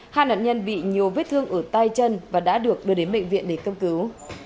hai nạn nhân bị nhiều vết thương ở tay chân và đã được đưa đến bệnh viện để cấp cứu